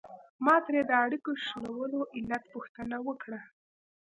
ما ترې د اړیکو شلولو علت پوښتنه وکړه.